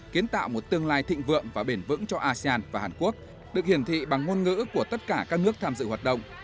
kiến tạo một tương lai thịnh vượng và bền vững cho asean và hàn quốc được hiển thị bằng ngôn ngữ của tất cả các nước tham dự hoạt động